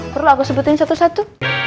perlu aku sebutin satu satu